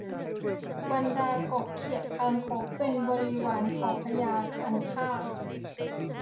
บรรดากบเขียดคางคกที่เป็นบริวารของพญาคันคาก